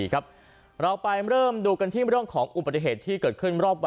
ครับเราไปเริ่มดูกันที่บริหารของอุปสรรคที่เกิดขึ้นม๗๓